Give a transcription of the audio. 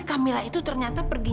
bunga luar biasa comenterin